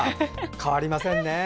変わりませんね。